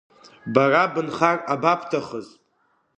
Бара бынхар абабҭахыз…